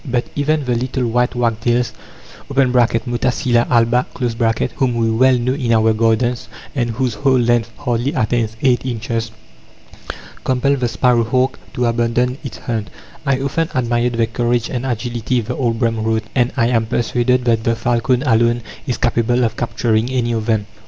But even the little white wagtails (Motacilla alba), whom we well know in our gardens and whose whole length hardly attains eight inches, compel the sparrow hawk to abandon its hunt. "I often admired their courage and agility," the old Brehm wrote, "and I am persuaded that the falcon alone is capable of capturing any of them....